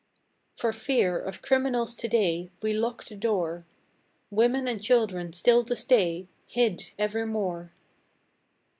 For fear of criminals today We lock the door; Women and children still to stay Hid evermore.